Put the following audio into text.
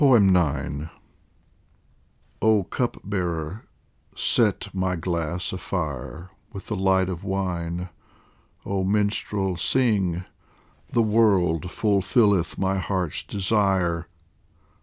IX OH Cup bearer, set my glass afire With the light of wine ! oh minstrel, sing : The world fulfilleth my heart's desire